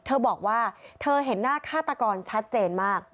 เธอบอกว่าเธอเห็นหน้าฆาตกรชัดเจนมาก